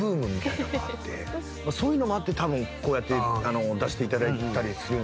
そういうのもあってこうやって出していただいたりする。